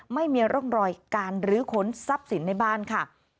ไม่มีร่องรอยการรื้อค้นทรัพย์สินในบ้านค่ะ